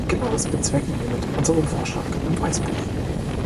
Genau das bezwecken wir mit unserem Vorschlag im Weißbuch.